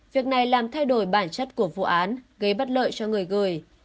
việc này làm thay đổi bản chất của vụ án gây bất lợi cho người gửi